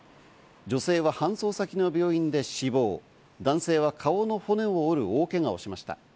女性は搬送先の病院で死亡、男性は顔の骨を折る大けがをしました。